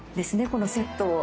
このセットを。